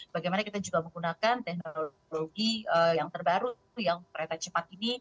bagaimana kita juga menggunakan teknologi yang terbaru yang kereta cepat ini